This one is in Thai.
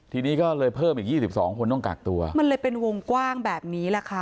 ทีนี้ก็เลยเพิ่มอีก๒๒คนต้องกักตัวมันเลยเป็นวงกว้างแบบนี้แหละค่ะ